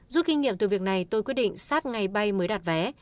rút kinh nghiệm từ việc này tôi quyết định sát ngày bay mới đặt vé